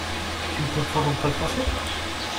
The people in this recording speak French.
Tu ne comprends donc pas le français?